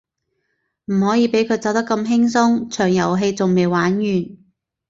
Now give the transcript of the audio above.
唔可以畀佢走得咁輕鬆，場遊戲仲未玩完